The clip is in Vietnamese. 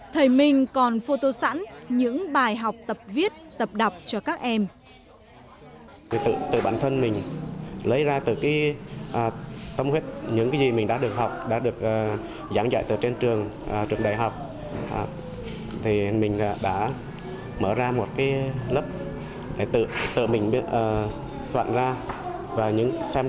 thầy minh còn phô tố sẵn những bài học trên mạng và những bài học trên mạng